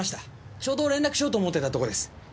ちょうど連絡しようと思ってたとこです。